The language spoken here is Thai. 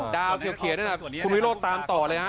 ดาวน์เคลียดนั่นนะคุณพีโรตามต่อเลยนะ